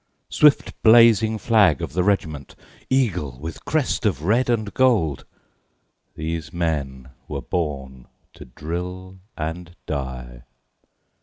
Swift blazing flag of the regiment, Eagle with crest of red and gold, These men were born to drill and die.